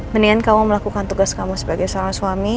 mendingan kamu melakukan tugas kamu sebagai seorang suami